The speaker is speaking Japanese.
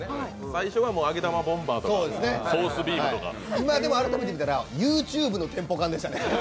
最初は揚げ玉ボンバーとかソースビームとか、今でも改めて見たら、ＹｏｕＴｕｂｅのテンポ感でしたね。